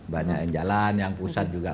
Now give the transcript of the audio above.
banyak yang jalan yang pusat juga